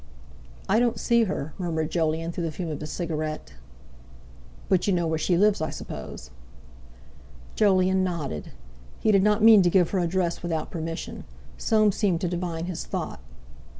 "I don't see her," murmured Jolyon through the fume of his cigarette. "But you know where she lives, I suppose?" Jolyon nodded. He did not mean to give her address without permission. Soames seemed to divine his thought.